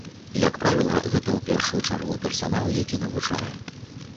Як правіла, гэта ў першую чаргу персанал, які навучае.